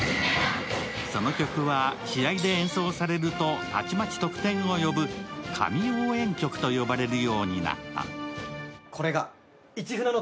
その曲は試合で演奏されるとたちまち得点を呼ぶ、神応援曲と呼ばれるようになった。